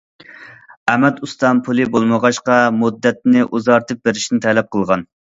ئەمەت ئۇستام پۇلى بولمىغاچقا، مۇددەتنى ئۇزارتىپ بېرىشىنى تەلەپ قىلغان.